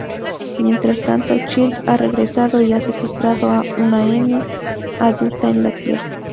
Mientras tanto Child ha regresado y ha secuestrado una Emmy adulta en la Tierra.